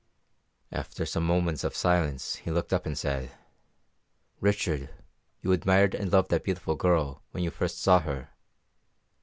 After some moments of silence he looked up and said, "Richard, you admired and loved that beautiful girl when you first saw her.